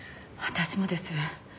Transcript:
私もです。